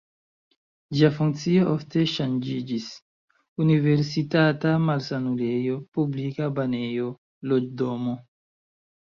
Ĝia funkcio ofte ŝanĝiĝis: universitata malsanulejo, publika banejo, loĝdomo.